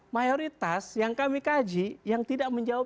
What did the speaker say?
mayoritas yang kami kaji yang tidak menjawab